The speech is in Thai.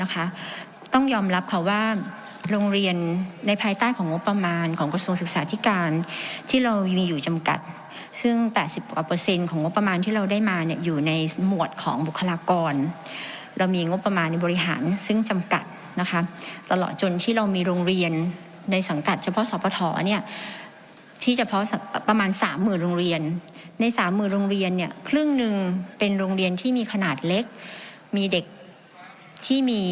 ของกระทรวงศึกษาที่การที่เรามีอยู่จำกัดซึ่งแปดสิบกว่าเปอร์เซ็นต์ของงบประมาณที่เราได้มาเนี่ยอยู่ในมวดของบุคลากรเรามีงบประมาณในบริหารซึ่งจำกัดนะคะตลอดจนที่เรามีโรงเรียนในสังกัดเฉพาะสอบพทอเนี่ยที่เฉพาะประมาณสามหมื่นโรงเรียนในสามหมื่นโรงเรียนเนี่ยครึ่งหนึ่งเป็นโรงเรียนท